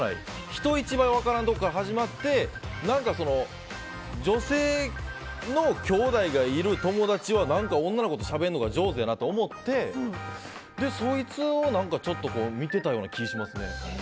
人一番分からないところから始まって何か女性のきょうだいがいる友達は女の子としゃべるのが上手やなと思ってそいつをちょっと見てたような気がしますね。